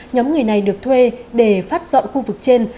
nhóm người này được thuê để phát dọn khu vực trên